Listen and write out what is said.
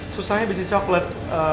susahnya bisnis coklat